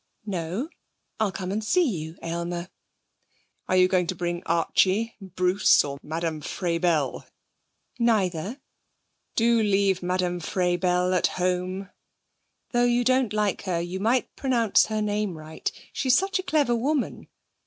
'No. I'll come and see you, Aylmer.' 'Are you going to bring Archie, Bruce, or Madame Frabelle?' 'Neither.' 'Do leave Madame Frabelle at home.' 'Though you don't like her, you might pronounce her name right! She's such a clever woman.'